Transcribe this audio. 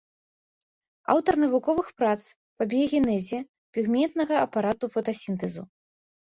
Аўтар навуковых прац па біягенезе пігментнага апарату фотасінтэзу.